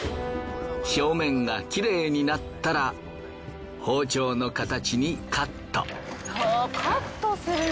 表面がきれいになったら包丁の形にカット。はカットするの？